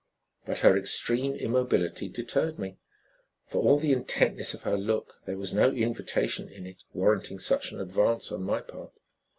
But her extreme immobility deterred me. For all the intentness of her look there was no invitation in it warranting such an advance on my part.